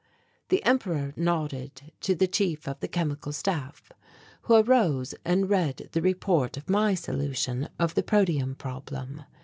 The Emperor nodded to the Chief of the Chemical Staff who arose and read the report of my solution of the protium problem.